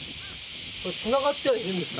これつながってはいるんですか？